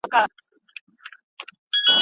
په اتڼ به سي ور ګډ د څڼورو